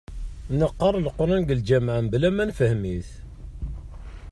Neqqar leqran deg lǧamaɛ mebla ma nefhem-it.